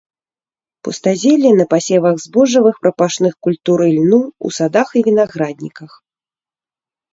Пустазелле на пасевах збожжавых, прапашных культур і льну, у садах і вінаградніках.